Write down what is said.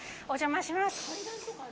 お邪魔します。